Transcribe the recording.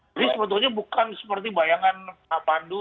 jadi sebetulnya bukan seperti bayangan pak pandu